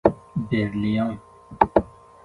کشورهای کوچک دارای اقتصاد متزلزل